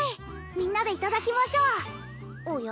みんなでいただきましょうおや？